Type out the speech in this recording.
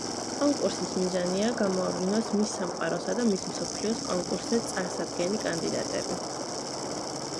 კონკურსის მიზანია გამოავლინოს მის სამყაროსა და მის მსოფლიოს კონკურსზე წარსადგენი კანდიდატები.